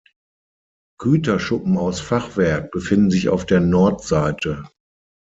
Güterschuppen aus Fachwerk befinden sich auf der Nordseite.